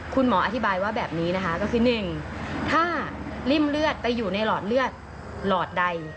คุณหมออธิบายว่าแบบนี้นะคะก็คือ๑ถ้าริ่มเลือดไปอยู่ในหลอดเลือดหลอดใด